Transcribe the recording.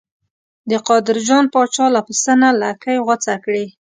د قادر جان پاچا له پسه نه لکۍ غوڅه کړې.